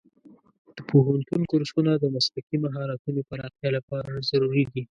د پوهنتون کورسونه د مسلکي مهارتونو پراختیا لپاره ضروري دي.